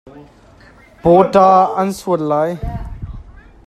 Pawṭa an suai hna.